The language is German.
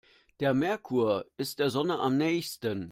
Der Merkur ist der Sonne am nähesten.